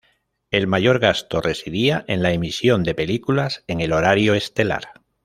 El mayor gasto residía en la emisión de películas en el horario estelar.